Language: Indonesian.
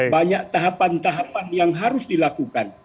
banyak tahapan tahapan yang harus dilakukan